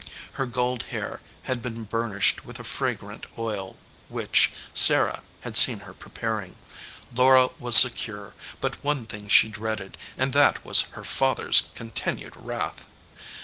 Her gold hair had been burnished with a fragrant oil, which. Sarah had seen her preparing. Laura was secure; but one thing she dreaded, and that was her father s continued wrath.